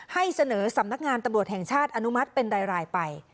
ให้เสนอสำนักงานตำรวจแห่งชาติอนุมัติเป็นรายไป